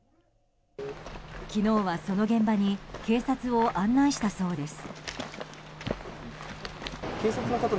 昨日は、その現場に警察を案内したそうです。